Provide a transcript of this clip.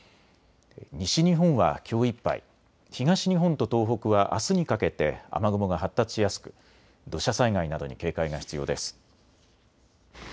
西日本はきょういっぱい、東日本と東北はあすにかけて雨雲が発達しやすく土砂災害などに警戒が必要です。